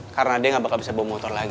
karena dia gak bakal bisa bawa motor lagi